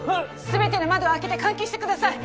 すべての窓を開けて換気してください！